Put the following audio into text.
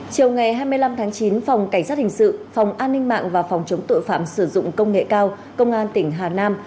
chiều ngày hai mươi năm tháng chín phòng cảnh sát hình sự phòng an ninh mạng và phòng chống tội phạm sử dụng công nghệ cao công an tỉnh hà nam